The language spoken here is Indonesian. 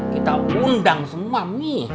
kita undang semua nih